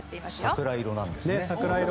桜色なんですね。